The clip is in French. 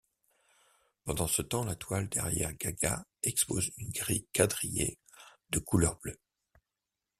Pendant ce temps, la toile derrière Gaga expose une grille quadrillée de couleur bleue.